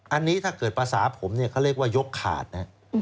อันนี้ถ้าเกิดภาษาผมเนี่ยเขาเรียกว่ายกขาดนะครับ